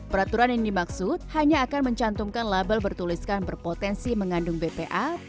peraturan yang dimaksud hanya akan mencantumkan label bertuliskan berpotensi mengandung bpa